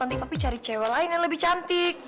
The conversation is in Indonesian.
takut nanti papi cari cewek lain yang lebih cantik